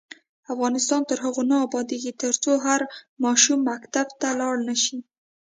افغانستان تر هغو نه ابادیږي، ترڅو هر ماشوم مکتب ته لاړ نشي.